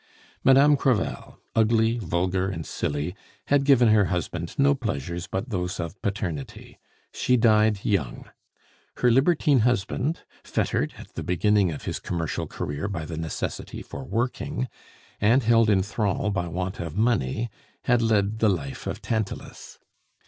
Madame Crevel, ugly, vulgar, and silly, had given her husband no pleasures but those of paternity; she died young. Her libertine husband, fettered at the beginning of his commercial career by the necessity for working, and held in thrall by want of money, had led the life of Tantalus.